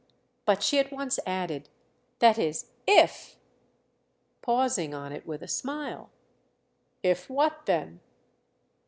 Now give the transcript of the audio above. But she at once added: "That is if—!" pausing on it with a smile. "If what then?"